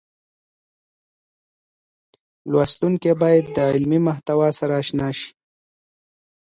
لوستونکي بايد د علمي محتوا سره اشنا شي.